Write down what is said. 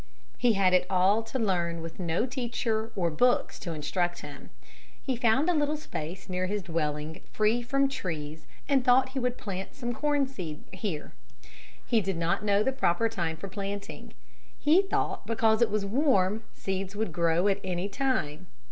He had it all to learn with no teacher or books to instruct him. He found a little space near his dwelling free from trees and thought he would plant some corn seed here. He did not know the proper time for planting. He thought because it was warm, seed would grow at any time.